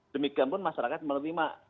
demikian pun masyarakat menerima